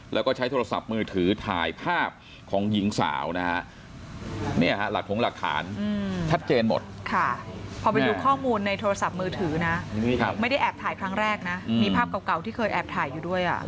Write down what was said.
แล้วก็ใช้โทรศัพท์มือถือถ่ายภาพของหญิงสาวนะฮะเนี่ยฮะหลักถงหลักฐานชัดเจนหมดค่ะพอไปดูข้อมูลในโทรศัพท์มือถือนะไม่ได้แอบถ่ายครั้งแรกนะมีภาพเก่าที่เคยแอบถ่ายอยู่ด้วย